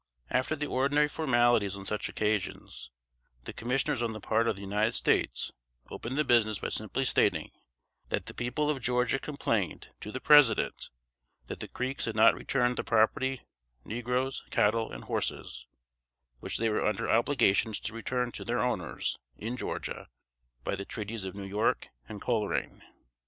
After the ordinary formalities on such occasions, the commissioners on the part of the United States opened the business by simply stating, that the people of Georgia complained to the President that the Creeks had not returned the property (negroes, cattle and horses), which they were under obligations to return to their owners in Georgia, by the treaties of New York and Colerain.